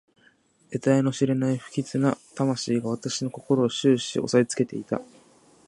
えたいの知れない不吉な魂が私の心を始終おさえつけていた。